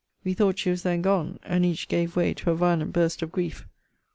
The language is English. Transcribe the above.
We thought she was then gone; and each gave way to a violent burst of grief.